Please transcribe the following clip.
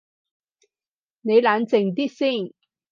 你冷靜啲先